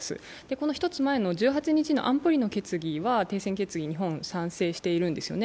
この一つ前の１８日の安保理の決議は、停戦決議、日本は賛成してるんですよね。